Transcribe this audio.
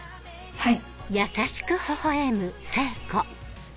はい。